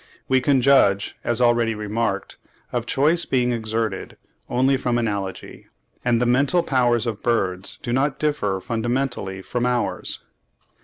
We can judge, as already remarked, of choice being exerted, only from analogy; and the mental powers of birds do not differ fundamentally from ours.